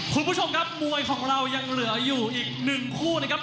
คุณผู้ชมครับมวยของเรายังเหลืออยู่อีกหนึ่งคู่นะครับ